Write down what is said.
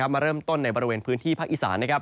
มาเริ่มต้นในบริเวณพื้นที่ภาคอีสาน